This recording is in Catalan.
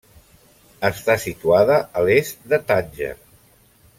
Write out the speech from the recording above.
Està situada a l'est de Tànger.